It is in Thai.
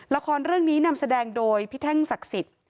ละครเรื่องนี้นำแสดงโดยพี่แท่งศักดิ์สิทธิ์